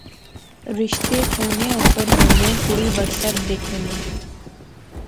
رشتے فونے اُپر ہونے کڑی واٹس ایپ دیکھنونی